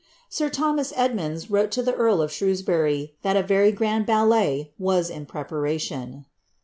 Sir Thnnias Edmonds wrote lo the earl of Slireiiv bury, that a ver}' grand ballet was in preparation.